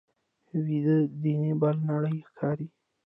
ویده دنیا بله نړۍ ښکاري